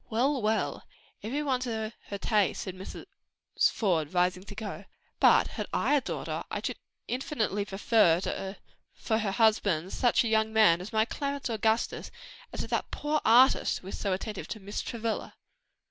"Well, well, every one to her taste!" said Mrs. Faude, rising to go, "but had I a daughter, I should infinitely prefer for her husband, such a young man as my Clarence Augustus to such as that poor artist who is so attentive to Miss Travilla.